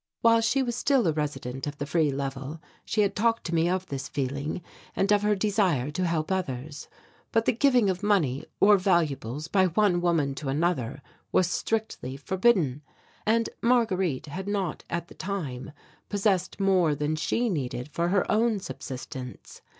While she was still a resident of the Free Level she had talked to me of this feeling and of her desire to help others. But the giving of money or valuables by one woman to another was strictly forbidden, and Marguerite had not at the time possessed more than she needed for her own subsistence.